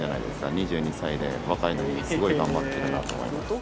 ２２歳で若いのに、すごい頑張ってるなと思います。